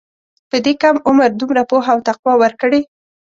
په دې کم عمر دومره پوهه او تقوی ورکړې.